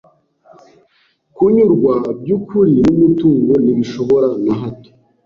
Kunyurwa by’ukuri n’umutungo ntibishobora na hato